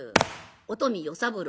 「お富与三郎」